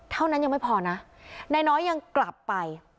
เท่านั้นยังไม่พอนะนายน้อยยังกลับไป